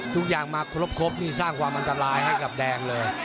ทุกอย่างมาครบนี่สร้างความอันตรายให้กับแดงเลย